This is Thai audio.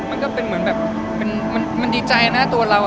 มันก็เป็นเหมือนแบบมันดีใจนะตัวเรา